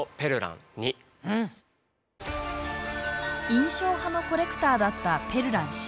印象派のコレクターだったペルラン氏。